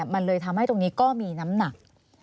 มันเลยทำให้ตรงนี้ก็มีน้ำหนัก